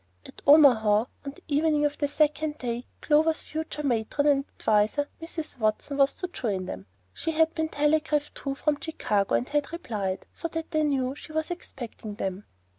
At Omaha, on the evening of the second day, Clover's future "matron" and adviser, Mrs. Watson, was to join them. She had been telegraphed to from Chicago, and had replied, so that they knew she was expecting them.